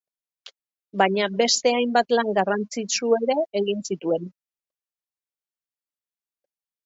Baina beste hainbat lan garrantzitsu ere egin zituen.